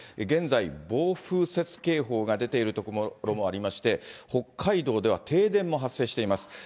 現在、暴風雪警報が出ている所もありまして、北海道では停電も発生しています。